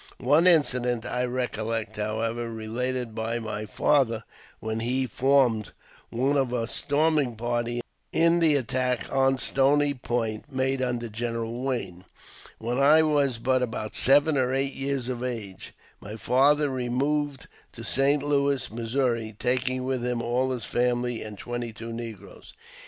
One incident I recollect, however, related by my father, when he formed one of a storming party in the attack on Stony Point made under General Wayne. When I was but about seven or eight years of age, my father removed to St. Louis, Missouri, taking with him all his family and twenty two negroes.